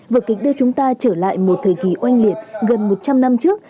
vợ kịch đưa chúng ta trở lại một thời kỳ oanh liệt gần một trăm linh năm trước